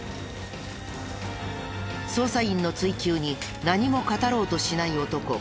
捜査員の追及に何も語ろうとしない男。